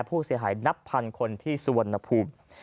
ผู้เสียหายนับพันคนที่สุวรรณภูมิ